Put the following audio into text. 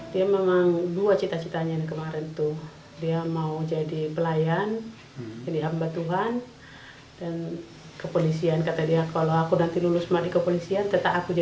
dia memang dua cita citanya kemarin itu